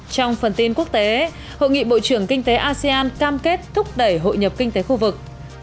trong phần tin quốc tế hội nghị bộ trưởng kinh tế asean cam kết thúc đẩy hội nhập kinh tế khu vực